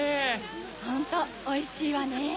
ホントおいしいわね。